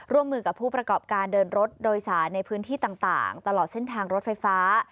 ร่วมมือกับผู้ประกอบการเดินรถโดยสารในพื้นที่ต่างตลอดเส้นทางรถไฟฟ้า